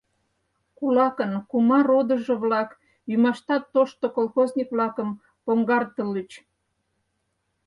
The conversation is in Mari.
Кулакын кума родыжо-влак ӱмаштат тошто колхозник-влакым поҥгартыльыч.